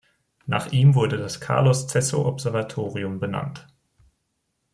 Nach ihm wurde das Carlos Cesco Observatorium benannt.